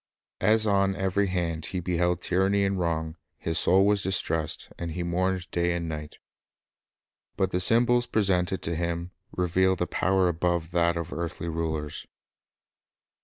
As on every hand he beheld tyranny and wrong, his soul was distressed, and he mourned day and night. But the symbols presented to him revealed a power above that of earthly rulers.